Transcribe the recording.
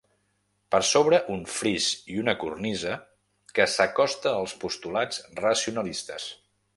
Per sobre un fris i una cornisa que s'acosta als postulats racionalistes.